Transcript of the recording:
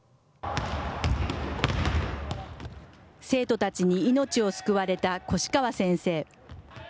生徒たちに命を救われた越川先生。